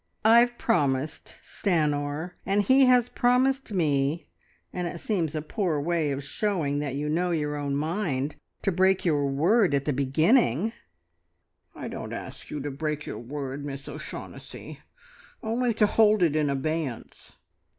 ... I've promised Stanor, and he has promised me, and it seems a poor way of showing that you know your own mind, to break your word at the beginning!" "I don't ask you to break your word, Miss O'Shaughnessy; only to hold it in abeyance.